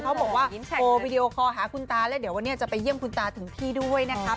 เขาบอกว่าโชว์วีดีโอคอลหาคุณตาแล้วเดี๋ยววันนี้จะไปเยี่ยมคุณตาถึงที่ด้วยนะครับ